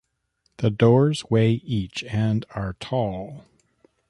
The doors weigh each and are tall.